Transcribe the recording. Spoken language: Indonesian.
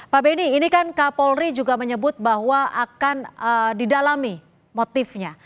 pak benny ini kan kapolri juga menyebut bahwa akan didalami motifnya